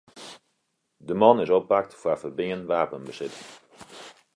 De man is oppakt foar ferbean wapenbesit.